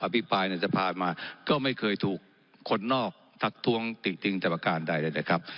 พิปรายในสภามาก็ไม่เคยถูกคนนอกทักท้วงติติงแต่ประการใดเลยนะครับ